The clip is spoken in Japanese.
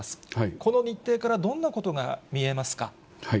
この日程からどんなことが見えますか。